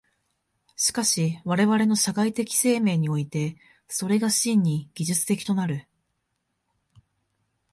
しかし我々の社会的生命において、それが真に技術的となる。